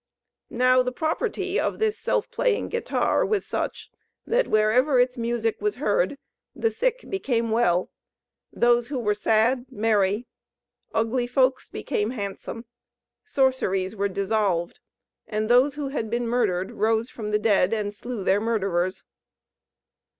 Now the property of this Self playing Guitar was such that wherever its music was heard, the sick became well, those who were sad merry, ugly folks became handsome, sorceries were dissolved, and those who had been murdered rose from the dead, and slew their murderers.